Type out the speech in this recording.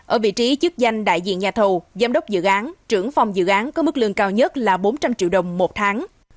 ở vị trí chức danh đại diện nhà thầu giám đốc dự án trưởng phòng dự án có mức lương cao nhất là bốn trăm linh triệu đồng một tháng